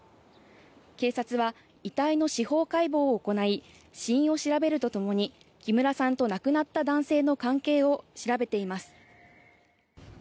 警察は遺体の司法解剖を行い死因を調べるとともに木村さんと亡くなった男性の関係を調べています。